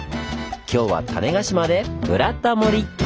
今日は種子島で「ブラタモリ」！